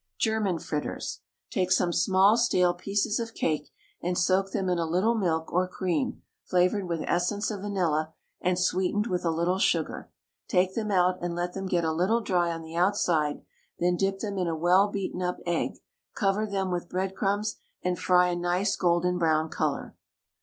GERMAN FRITTERS. Take some small stale pieces of cake, and soak them in a little milk or cream flavoured with essence of vanilla and sweetened with a little sugar. Take them out, and let them get a little dry on the outside, then dip them in a well beaten up egg, cover them with bread crumbs, and fry a nice golden brown colour.